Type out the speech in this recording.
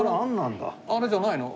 あれじゃないの？